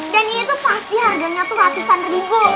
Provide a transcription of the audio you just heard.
dan ini tuh pasti harganya tuh ratusan ribu